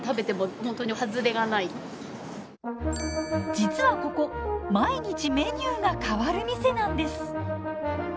実はここ毎日メニューが変わる店なんです。